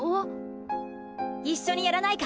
一緒にやらないか？